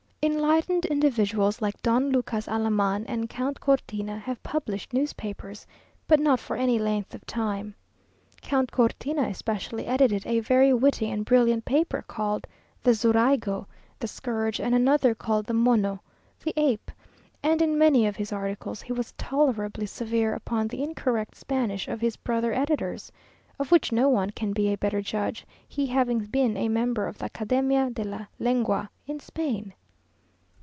Enlightened individuals like Don Lucas Alaman and Count Cortina have published newspapers, but not for any length of time. Count Cortina, especially, edited a very witty and brilliant paper called the "Zurriago," the "Scourge," and another called the "Mono," the "Ape;" and in many of his articles he was tolerably severe upon the incorrect Spanish of his brother editors, of which no one can be a better judge, he having been a member of the "Academia de la Lengua," in Spain.